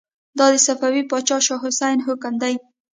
دا د صفوي پاچا شاه حسين حکم دی.